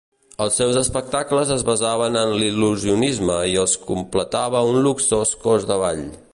Els seus espectacles es basaven en l'il·lusionisme i els completava un luxós cos de ball.